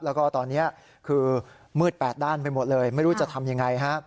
แล้วก็ตอนนี้คือมืดแปดด้านไปหมดเลยไม่รู้จะทำยังไงฮะ